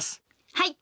はい。